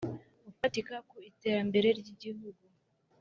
Ufatika ku iterambere ry igihugu